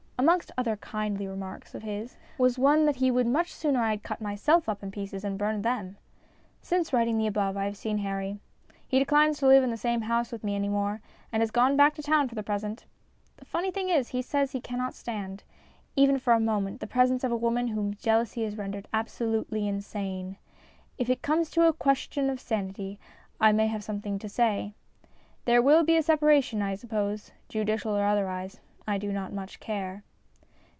Amongst other kindly remarks of his was one that he would much sooner I had cut myself upin pieces and burned them. Since writing the above I have seen Harry. He declines to live in the same house with me any more, and has gone back to town for the present. The funny thing is he says he cannot stand, even for a moment, the presence of a woman whom jealousy has rendered absolutely insane. If it comes to a question of sanity I may have some thing to say. There will be a separation, I suppose, judicial or otherwise ; I do not much care.